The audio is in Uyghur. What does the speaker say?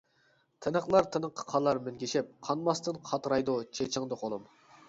تىنىقلار تىنىققا قالار مىنگىشىپ، قانماستىن قاترايدۇ چېچىڭدا قولۇم.